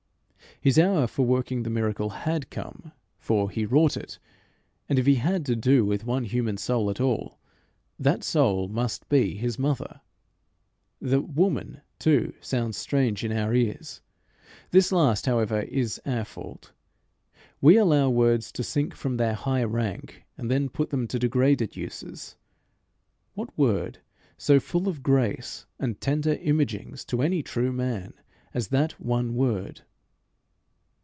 His hour for working the miracle had come, for he wrought it; and if he had to do with one human soul at all, that soul must be his mother. The "woman," too, sounds strange in our ears. This last, however, is our fault: we allow words to sink from their high rank, and then put them to degraded uses. What word so full of grace and tender imagings to any true man as that one word!